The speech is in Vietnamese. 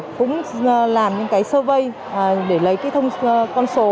cũng làm những cái servay để lấy cái con số